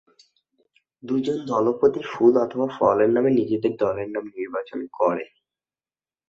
দু'জন দলপতি ফুল অথবা ফলের নামে নিজেদের দলের নাম নির্বাচন করে।